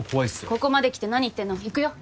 ここまで来て何言ってんの行くよ。